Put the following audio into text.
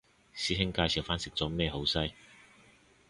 師兄介紹返食咗咩好西